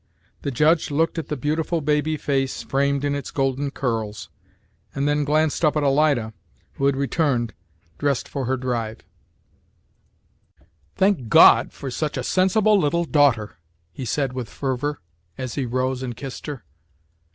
The judge looked at the beautiful baby face framed in its golden curls, and then glanced up at Alida, who had returned, dressed for her drive. [Illustration: "HID HER FACE IN A GREAT BUNCH OF ROSES."] "Thank God for such a sensible little daughter!" he said with fervour, as he rose and kissed her.